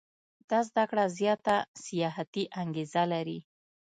دا زده کړه زیاته سیاحتي انګېزه لري.